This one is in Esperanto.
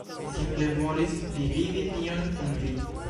Mi simple volis dividi tion kun vi